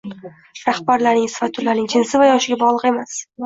Rahbarlarning sifati ularning jinsi va yoshiga bog'liq emas